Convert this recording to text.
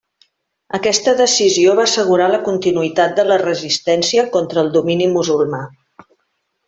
Aquesta decisió va assegurar la continuïtat de la resistència contra el domini musulmà.